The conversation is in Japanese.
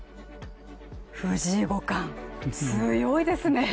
藤井五冠、強いですね。